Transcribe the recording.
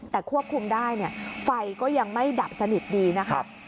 แต่ควบคุมได้ไฟก็ยังไม่ดับสนิทดีนะครับ